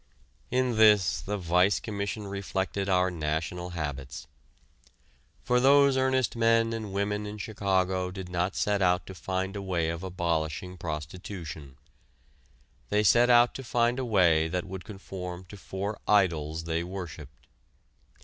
In this the Vice Commission reflected our national habits. For those earnest men and women in Chicago did not set out to find a way of abolishing prostitution; they set out to find a way that would conform to four idols they worshiped.